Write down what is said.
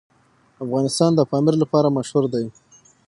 افغانستان د پامیر لپاره مشهور دی.